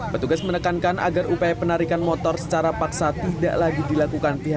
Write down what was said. petugas menekankan agar upaya penarikan motor secara paksa tidak lagi dilakukan pihaknya